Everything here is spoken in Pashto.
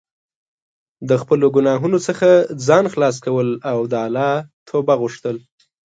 د خپلو ګناهونو څخه ځان خلاص کول او د الله توبه غوښتل.